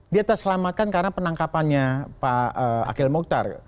dia terselamatkan karena penangkapannya pak akhil mukhtar